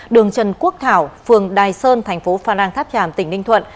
đường trần quốc thảo phường đài sơn thành phố phan rang tháp tràm tỉnh ninh thuận